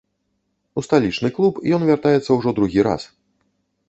У сталічны клуб ён вяртаецца ўжо другі раз.